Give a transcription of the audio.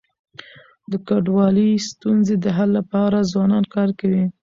د کډوالی ستونزي د حل لپاره ځوانان کار کوي.